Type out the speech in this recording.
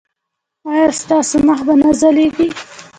ایا ستاسو مخ به نه ځلیږي؟